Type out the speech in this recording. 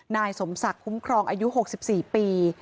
นายสมศักดิ์คุ้มครองอายุ๖๔ปี